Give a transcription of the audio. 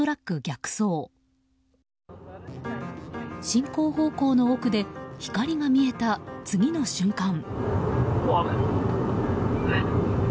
進行方向の奥で光が見えた次の瞬間。